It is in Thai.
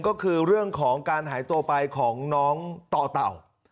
ก็คือเรื่องของการหายตัวไปของน้องต่อเต่า